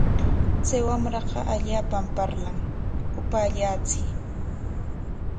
Chay wamrata allaapam parlan, upaallachiy.